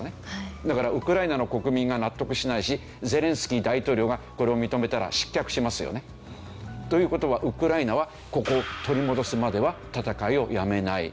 だからウクライナの国民が納得しないしゼレンスキー大統領がこれを認めたら失脚しますよね。という事はウクライナはここを取り戻すまでは戦いをやめない。